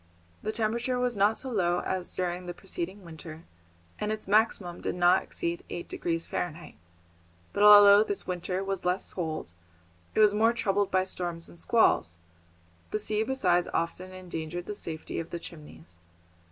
The temperature was not so low as during the preceding winter, and its maximum did not exceed eight degrees Fahrenheit. But although this winter was less cold, it was more troubled by storms and squalls; the sea besides often endangered the safety of the Chimneys.